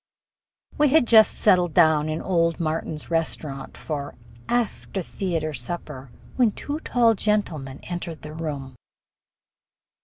We had just settled down in old Martin's Restaurant for after theater supper when two tall gentlemen entered the room.